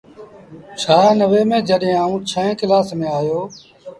ڇآنوي ميݩ جڏهيݩ آئوٚݩ ڇوهيݩ ڪلآس ميݩ آيو ۔